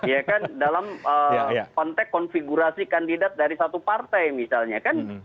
ya kan dalam konteks konfigurasi kandidat dari satu partai misalnya kan